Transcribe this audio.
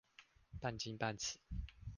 半金半瓷